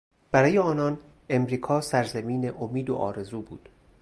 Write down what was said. برای آنان امریکا سرزمین امید و آرزو بود.